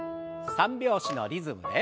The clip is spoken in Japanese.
３拍子のリズムで。